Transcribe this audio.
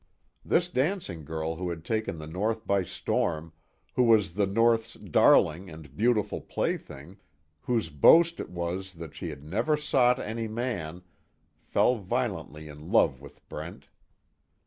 This dancing girl who had taken the North by storm, who was the North's darling and beautiful plaything, whose boast it was that she had never sought any man, fell violently in love with Brent.